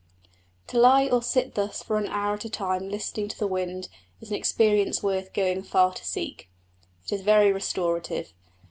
To lie or sit thus for an hour at a time listening to the wind is an experience worth going far to seek. It is very restorative.